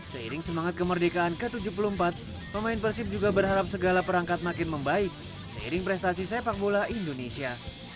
seiring semangat kemerdekaan ke tujuh puluh empat pemain persib juga berharap segala perangkat makin membaik seiring prestasi sepak bola indonesia